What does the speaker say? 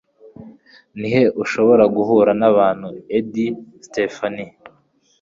Ni he ushobora guhura n'abantu Eddie, Stephanie? `